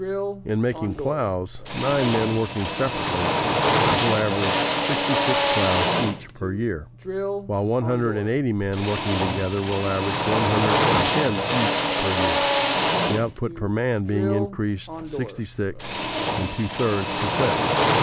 In making plows, nine men working separately will average sixty six plows each per year, while one hundred and eighty men working together will average one hundred and ten each per year, the output per man being increased sixty six and two thirds per cent.